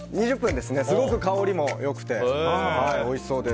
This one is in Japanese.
すごく香りもよくておいしそうです。